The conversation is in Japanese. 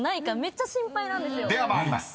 ［では参ります。